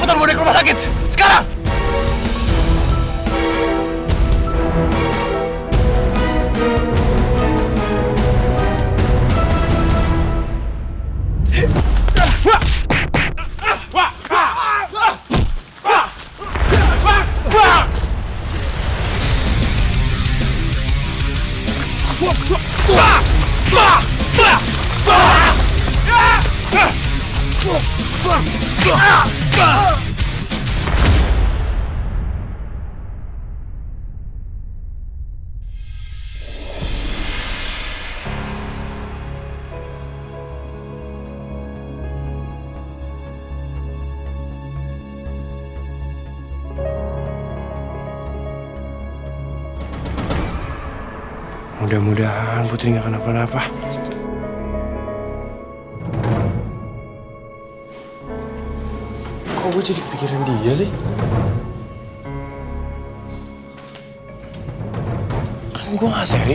tante nggak usah khawatir